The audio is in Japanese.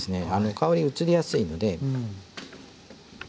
香り移りやすいので。